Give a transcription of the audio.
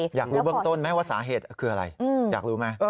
อยากรู้เบื้องต้นไหมว่าสาเหตุคืออะไรอยากรู้ไหม